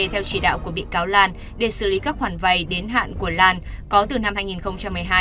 theo chỉ đạo của bị cáo lan để xử lý các khoản vay đến hạn của lan có từ năm hai nghìn một mươi hai